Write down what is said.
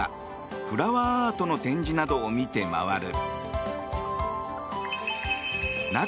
フラワーアートの展示などを見て回る。